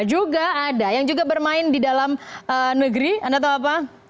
juga ada yang juga bermain di dalam negeri anda tahu apa